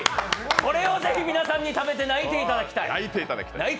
これをぜひ、皆さんに食べて泣いていただきたい！